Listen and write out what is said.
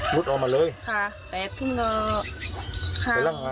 รุดออกมาเลย